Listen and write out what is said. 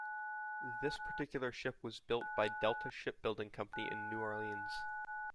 This particular ship was built by Delta Shipbuilding Company in New Orleans.